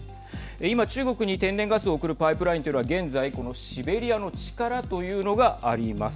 今、中国に天然ガスを送るパイプラインでは現在このシベリアの力というのがあります。